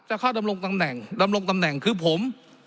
เข้าดำรงตำแหน่งดำรงตำแหน่งคือผม